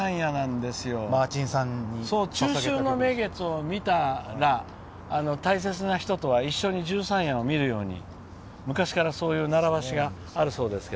中秋の名月を見たら大切な人とは一緒に十三夜を見るように昔から習わしがあるそうです。